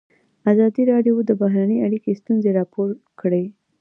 ازادي راډیو د بهرنۍ اړیکې ستونزې راپور کړي.